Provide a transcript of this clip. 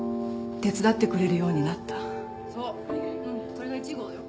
これが１合よ